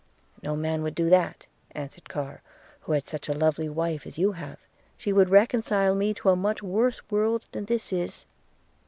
'No man would do that,' answered Carr, 'who had such a lovely wife as you have – she would reconcile me to a much worse world than this is.'